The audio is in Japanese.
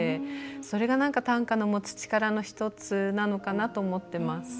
それが、何か短歌の持つ力の１つなのかなって思ってます。